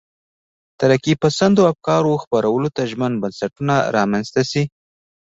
ترقي پسندو افکارو خپرولو ته ژمن بنسټونه رامنځته شي.